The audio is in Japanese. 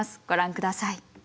ご覧ください。